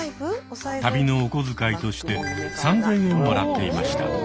旅のおこづかいとして３，０００円もらっていました。